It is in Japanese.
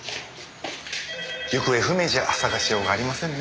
行方不明じゃ捜しようがありませんね。